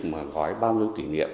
mà gói bao nhiêu kỷ niệm